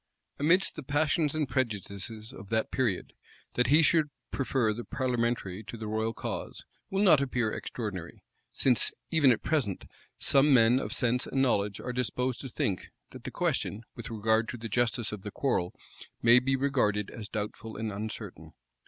Amidst the passions and prejudices of that period, that he should prefer the parliamentary to the royal cause, will not appear extraordinary; since, even at present, some men of sense and knowledge are disposed to think, that the question, with regard to the justice of the quar* *rel, may be regarded as doubtful and uncertain.